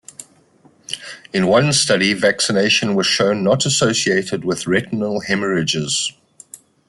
In one study vaccination was shown not associated with retinal hemorrhages.